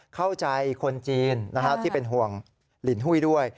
เข้าใจคนจีนที่เป็นห่วงลินหุ้ยด้วย